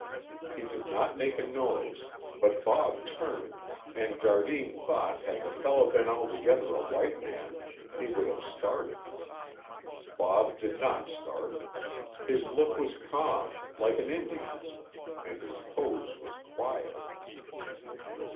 He did not make a noise, but Bob turned, and Jardine thought had the fellow been altogether a white man he would have started. Bob did not start. His look was calm, like an Indian's, and his pose was quiet.